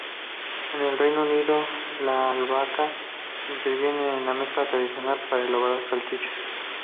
En el Reino Unido la albahaca interviene en la mezcla tradicional para elaborar salchichas.